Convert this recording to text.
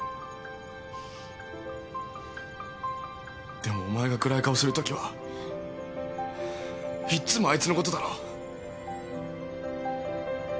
でもお前が暗い顔するときはいっつもあいつのことだろ。